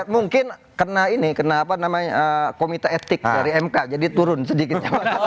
mungkin kena ini kena apa namanya komite etik dari mk jadi turun sedikit